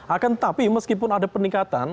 akan tetapi meskipun ada peningkatan